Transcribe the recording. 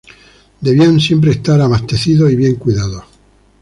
Debían siempre estar abastecidos y bien cuidados.